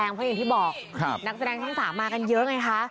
เพราะอย่างที่บอกนักแสดงช่อง๓มากันเยอะไงคะ